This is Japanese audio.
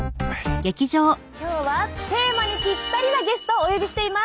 今日はテーマにピッタリなゲストをお呼びしています！